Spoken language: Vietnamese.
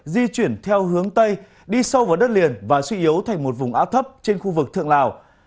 di chuyển theo hướng tây đi sâu vào đất liền và suy yếu thành một vùng áp thấp trên khu vực thượng lào